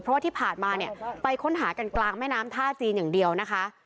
เพราะว่าที่ผ่านมาเนี่ยไปค้นหากันกลางแม่น้ำท่าจีนอย่างเดียวนะคะ